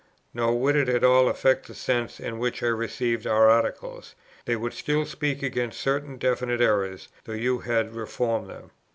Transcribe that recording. Nor would it at all affect the sense in which I receive our Articles; they would still speak against certain definite errors, though you had reformed them.